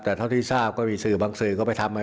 แต่เท่าที่ทราบก็มีสื่อบางสื่อก็ไปทำไง